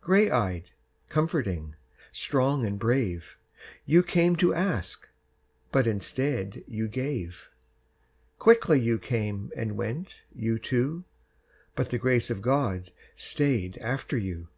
Grey eyed, comforting, strong and brave, You came to ask but instead you Quickly you came and went, you two, But the Grace of God stayed after you.